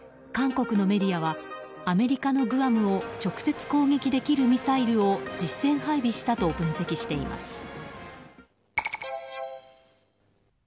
韓国のメディアはアメリカのグアムを直接攻撃できるミサイルを実戦配備したと分析しています。